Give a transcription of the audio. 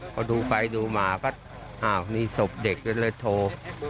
พอดูไปดูมานี่ศพเด็กก็เลยโทร